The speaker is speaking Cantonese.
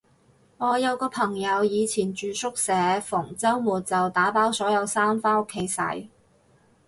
我有個朋友以前住宿舍，逢周末就打包所有衫返屋企洗